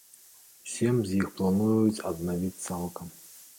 Сем з іх плануюць аднавіць цалкам.